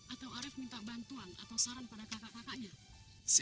atau arief minta bantuan atau saran pada kakak kakaknya